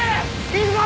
行くぞ！